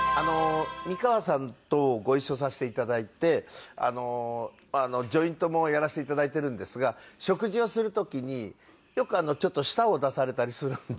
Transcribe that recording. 美川さんとご一緒させて頂いて「ジョイント」もやらせて頂いているんですが食事をする時によくちょっと舌を出されたりするんで。